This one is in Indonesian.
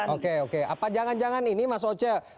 oke oke apa jangan jangan ini mas oce